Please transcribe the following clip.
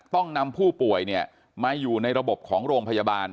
ต้องนำผู้ป่วยมาอยู่ในระบบของโรงพยาบาล